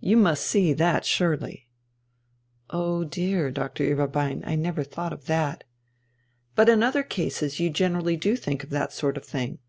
You must see that, surely?" "Oh dear, Doctor Ueberbein, I never thought of that." "But in other cases you generally do think of that sort of thing."